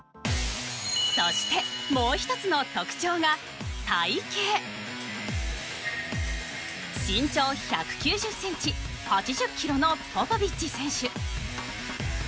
そしてもう１つの特徴が身長１９０センチ８０キロのポポビッチ選手。